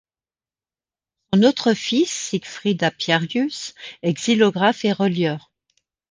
Son autre fils, Siegfried Apiarius, est xylographe et relieur.